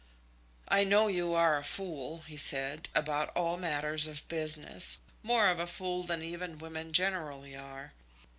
"I know you are a fool," he said, "about all matters of business; more of a fool than even women generally are."